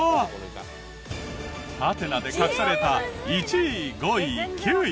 ハテナで隠された１位５位９位。